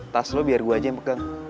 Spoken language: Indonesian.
tas lo biar gue aja yang pegang